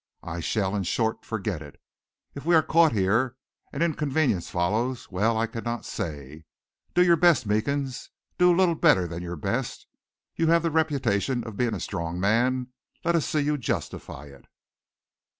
I shall, in short, forget it. If we are caught here and inconvenience follows, well, I cannot say. Do your best, Meekins. Do a little better than your best. You have the reputation of being a strong man. Let us see you justify it."